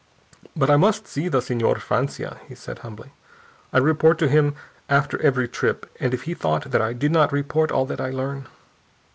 "But I must see the Señor Francia," he said humbly. "I report to him after every trip, and if he thought that I did not report all that I learn...."